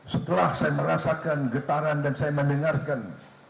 setelah saya merasakan getaran dan saya mendengarkan